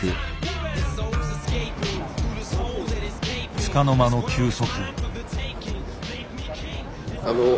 つかの間の休息。